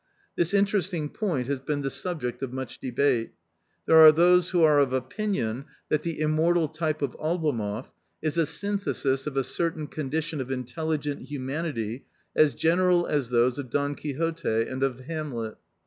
This interesting point has been the subject of much debate. There are those who are of opinion that the immortal type of Oblomoff is a synthesis of a certain condition of intelli gent humanity as general as those of Don Quixote and of Hamlet.